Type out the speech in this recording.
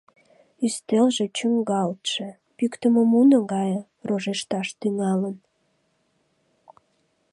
Ӱстелже чӱҥгалтше, пӱктымӧ муно гае, рожешташ тӱҥалын.